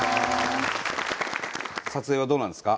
撮影はどうなんですか？